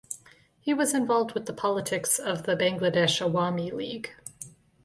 He was involved with the politics of the Bangladesh Awami League.